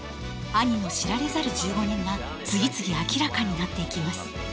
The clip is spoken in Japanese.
兄の知られざる１５年が次々明らかになっていきます。